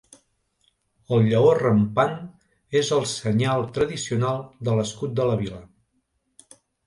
El lleó rampant és el senyal tradicional de l'escut de la vila.